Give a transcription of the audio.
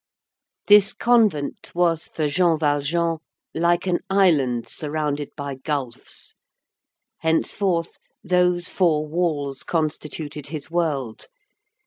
This convent was for Jean Valjean like an island surrounded by gulfs. Henceforth, those four walls constituted his world.